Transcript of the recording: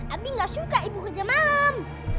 abi gak suka ibu kerja malem